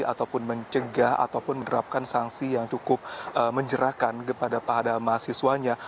ataupun mencegah ataupun menerapkan sanksi yang cukup menjerahkan kepada para mahasiswanya